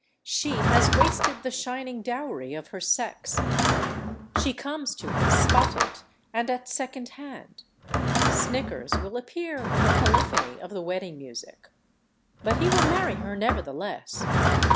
She has wasted the shining dowry of her sex; she comes to him spotted and at second hand; snickers will appear in the polyphony of the wedding music—but he will marry her nevertheless.